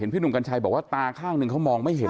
พี่หนุ่มกัญชัยบอกว่าตาข้างหนึ่งเขามองไม่เห็น